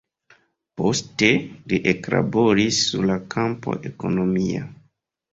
Poste li eklaboris sur la kampo ekonomia.